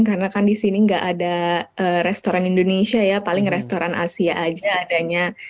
karena kan di sini gak ada restoran indonesia ya paling restoran asia aja adanya